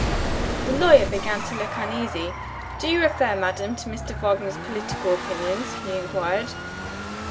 The lawyer began to look uneasy. "Do you refer, madam, to Mr. Wagner's political opinions?" he inquired.